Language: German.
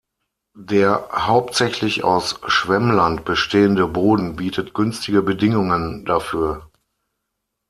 Der hauptsächlich aus Schwemmland bestehende Boden bietet günstige Bedingungen dafür.